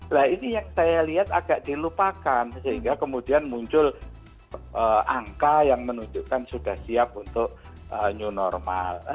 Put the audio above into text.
nah ini yang saya lihat agak dilupakan sehingga kemudian muncul angka yang menunjukkan sudah siap untuk new normal